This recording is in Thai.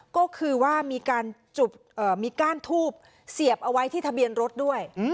ก็คือว่ามีการจุดมีก้านทูบเสียบเอาไว้ที่ทะเบียนรถด้วย